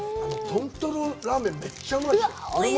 豚とろラーメン、めっちゃうまいでしょう？